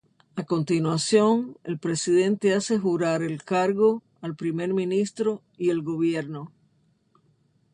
A continuación, el Presidente hace jurar el cargo al Primer Ministro y el gobierno.